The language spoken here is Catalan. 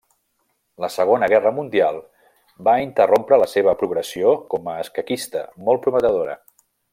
La Segona Guerra Mundial va interrompre la seva progressió com a escaquista, molt prometedora.